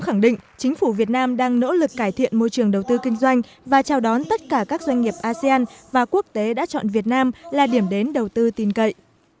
phát biểu việt nam đang nỗ lực cải thiện môi trường đầu tư kinh doanh và chào đón tất cả các doanh nghiệp asean và quốc tế đã chọn việt nam là điểm đến đầu tư tin cậy